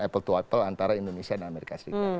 apple to apple antara indonesia dan amerika serikat